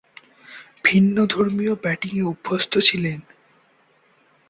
ভিন্নধর্মীয় ব্যাটিংয়ে অভ্যস্ত ছিলেন।